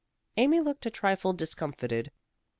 Amy looked a trifle discomfited.